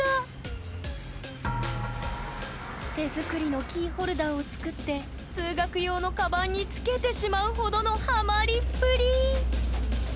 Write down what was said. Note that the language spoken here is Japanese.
手作りのキーホルダーを作って通学用のカバンにつけてしまうほどのハマりっぷり！